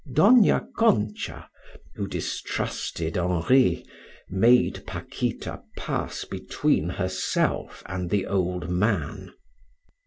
Dona Concha, who distrusted Henri, made Paquita pass between herself and the old man.